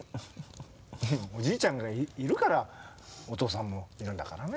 おじいちゃんがいるからお父さんもいるんだからね。